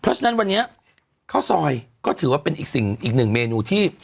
เพราะฉะนั้นวันนี้ข้าวซอยก็ถือว่าเป็นอีกสิ่งอีกหนึ่งเมนูที่